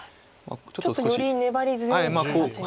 ちょっとより粘り強い形に。